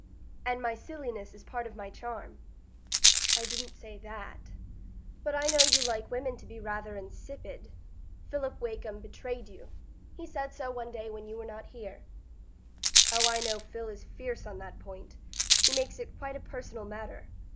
"And my silliness is part of my charm?" "I didn't say that." "But I know you like women to be rather insipid. Philip Wakem betrayed you; he said so one day when you were not here." "Oh, I know Phil is fierce on that point; he makes it quite a personal matter.